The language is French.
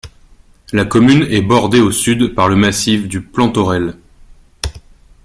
La commune est bordée au sud par le massif du Plantaurel.